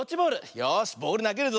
よしボールなげるぞ。